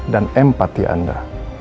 dan empati anda